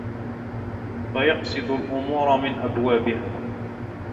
فَيَقْصِدُوا الْأُمُورَ مِنْ أَبْوَابِهَا